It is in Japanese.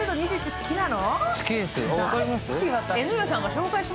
好きなの？